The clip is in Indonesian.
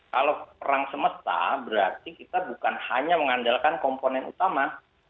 kalau perang semesta berarti kita bukan hanya mengandalkan komponen utama